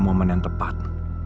momen yang tepat